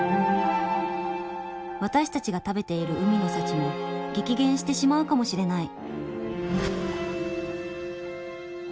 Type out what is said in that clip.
私たちが食べている海の幸も激減してしまうかもしれない。